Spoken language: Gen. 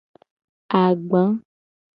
Agba.